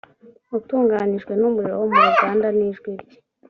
utunganijwe n umuriro wo mu ruganda n ijwi rye